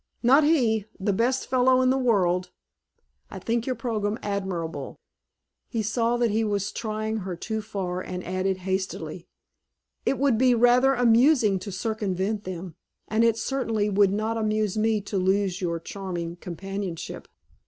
"Not he. The best fellow in the world. I think your program admirable." He saw that he was trying her too far and added hastily: "It would be rather amusing to circumvent them, and it certainly would not amuse me to lose your charming companionship.